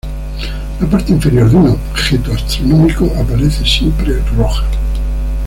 La parte inferior de un objeto astronómico aparece siempre roja.